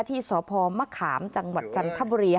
ที่สพมะขามจังหวัดจันทบุรี